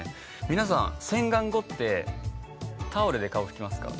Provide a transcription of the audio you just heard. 皆さん洗顔後ってタオルで顔拭きますか？